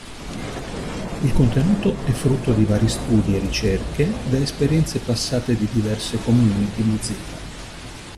Il contenuto è frutto di vari studi e ricerche da esperienze passate di diverse community Mozilla.